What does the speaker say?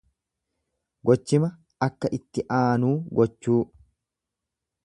Gochima akka itti aanuu gochuu.